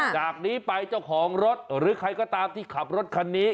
จากนี้ไปเจ้าของรถหรือใครก็ตามที่ขับรถคันนี้